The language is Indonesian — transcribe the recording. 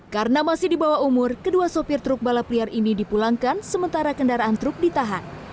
karena masih di bawah umur kedua sopir truk balap liar ini dipulangkan sementara kendaraan truk ditahan